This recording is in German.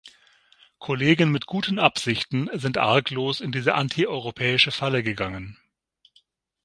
Kollegen mit guten Absichten sind arglos in diese antieuropäische Falle gegangen.